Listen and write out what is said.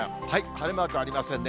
晴れマークありませんね。